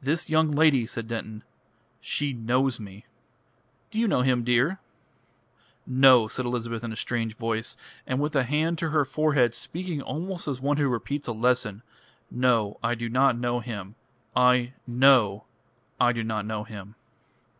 "This young lady," said Denton, "she knows me." "Do you know him, dear?" "No," said Elizabeth in a strange voice, and with a hand to her forehead, speaking almost as one who repeats a lesson. "No, I do not know him. I know I do not know him."